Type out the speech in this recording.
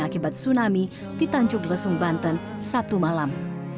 akibat tsunami di tanjung lesung banten sabtu malam